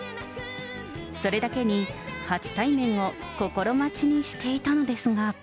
それだけに初体面を心待ちにしていたのですが。